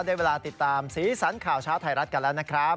ได้เวลาติดตามสีสันข่าวเช้าไทยรัฐกันแล้วนะครับ